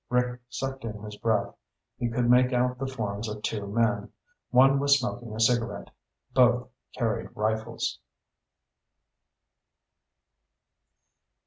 Rick sucked in his breath. He could make out the forms of two men. One was smoking a cigarette. Both carried rifles.